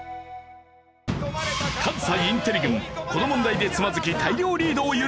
関西インテリ軍この問題でつまずき大量リードを許した。